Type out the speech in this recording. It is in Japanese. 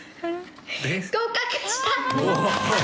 合格した！